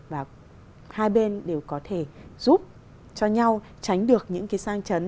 và hai bên đều có thể giúp cho nhau tránh được những cái sang chấn